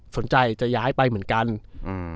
สนใจจะย้ายไปเหมือนกันอืม